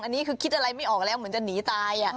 อันนี้คือคิดอะไรไม่ออกแล้วเหมือนจะหนีตาย